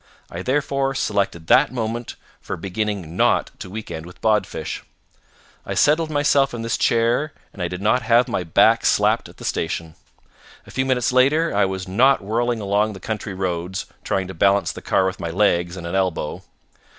I therefore selected that moment for beginning not to weekend with Bodfish. I settled myself in this chair and I did not have my back slapped at the station. A few minutes later I was not whirling along the country roads, trying to balance the car with my legs and an elbow.